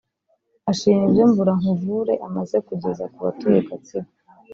ashima ibyo Mvura Nkuvure imaze kugeza ku batuye Gatsibo